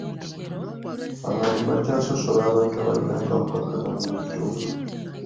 Abantu bakyasosola abantu abalina akawuka kano mu bitundu.